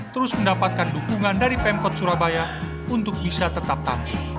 terus mendapatkan dukungan dari pemkot surabaya untuk bisa tetap tampil